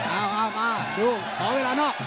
เอ้าเอ้ามาดูขอเวลานอกเดิน